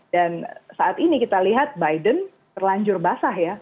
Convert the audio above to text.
dan saat ini kita lihat biden terlanjur basah ya